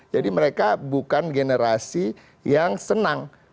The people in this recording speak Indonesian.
jadi mereka bukan generasi yang senang